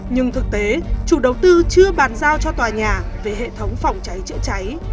nhưng thực tế chủ đầu tư chưa bàn giao cho tòa nhà về hệ thống phòng cháy chữa cháy